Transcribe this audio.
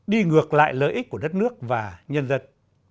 đi ngược lại lợi ích của đất nước và nhân dân